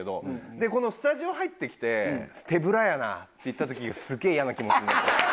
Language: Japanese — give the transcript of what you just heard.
でこのスタジオ入ってきて「手ぶらやな」って言った時すっげえ嫌な気持ちになったんですよ。